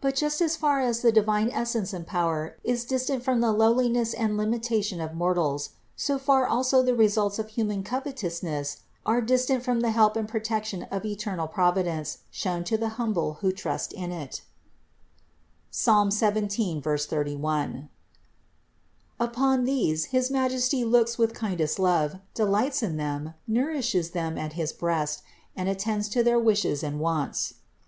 But just as far as the divine Essence and Power is distant from the lowliness and limitation of mortals, so far also the results of human covetousness are distant from the help and protection of eternal Providence shown to the humble who trust in it (Ps. 17, 31). Upon these his Majesty looks with kindest love, delights in them, nourishes them at his breast, and attends to their wishes and wants.